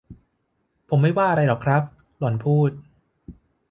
ผมไม่ว่าอะไรหรอกครับ หล่อนพูด